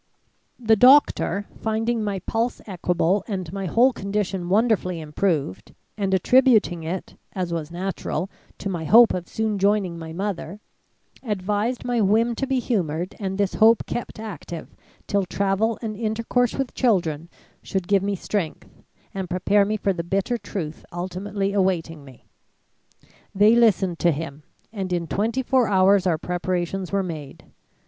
The doctor, finding my pulse equable, and my whole condition wonderfully improved, and attributing it, as was natural, to my hope of soon joining my mother, advised my whim to be humoured and this hope kept active till travel and intercourse with children should give me strength and prepare me for the bitter truth ultimately awaiting me. They listened to him and in twenty four hours our preparations were made.